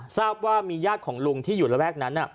ทราบว่ามีญาติของลุงที่อยู่ระแวกนั้น